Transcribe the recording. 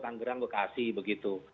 tanggerang bekasi begitu